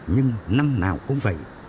nhưng năm nào cũng vậy